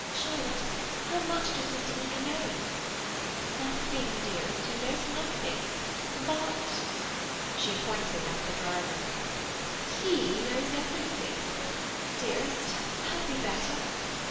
"Charlotte, how much does Mr. Eager know?" "Nothing, dearest; he knows nothing. But—" she pointed at the driver—"he knows everything. Dearest, had we better?